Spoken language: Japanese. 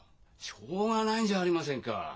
しょうがないじゃありませんか。